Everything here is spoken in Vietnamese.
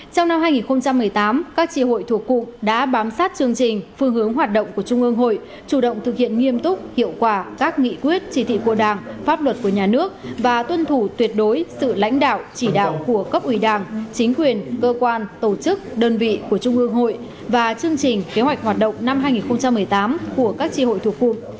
trong năm hai nghìn một mươi tám các tri hội thuộc cụm đã bám sát chương trình phương hướng hoạt động của trung ương hội chủ động thực hiện nghiêm túc hiệu quả các nghị quyết chỉ thị của đảng pháp luật của nhà nước và tuân thủ tuyệt đối sự lãnh đạo chỉ đạo của cấp ủy đảng chính quyền cơ quan tổ chức đơn vị của trung ương hội và chương trình kế hoạch hoạt động năm hai nghìn một mươi tám của các tri hội thuộc cụm